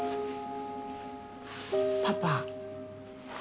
パパ